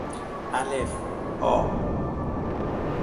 الف آ